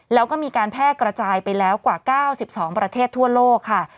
แล้วก็มีการแพร่กระจายไปแล้วกว่า๙๒ประเทศทั่วโลกค่ะ